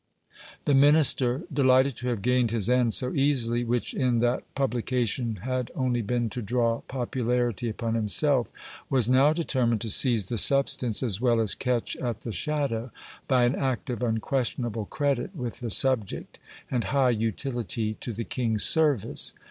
The minister, delighted to have gained his end so easily, which in that pub lication had only been to draw popularity upon himself, was now determined to seize the substance as well as catch at the shadow, by an act of unquestionable credit with the subject, and high utility to the king's service.